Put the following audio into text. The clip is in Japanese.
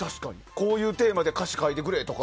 こういうテーマで歌詞を書いてくれとか。